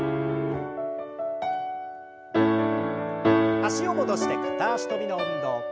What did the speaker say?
脚を戻して片脚跳びの運動。